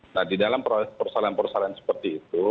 nah di dalam perusahaan perusahaan seperti itu